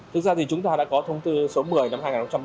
thực ra thì chúng ta đã có thông tư số một mươi năm hai nghìn một mươi ba